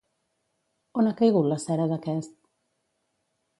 On ha caigut la cera d'aquest?